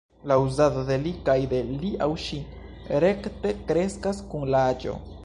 La uzado de ”li” kaj de ”li aŭ ŝi” rekte kreskas kun la aĝo.